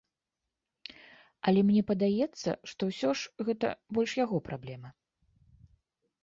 Але мне падаецца, што ўсё ж гэта больш яго праблема.